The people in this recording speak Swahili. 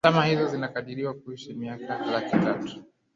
zama hizo zinakadiliwa kuishi miaka laki tatu